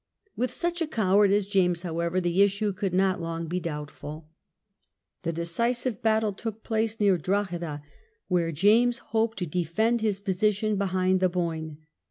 With such a coward as James, however, the issue could not long be doubtful. The decisive battle took place near Drogheda, where James hoped to defend his position be hind the Boyne.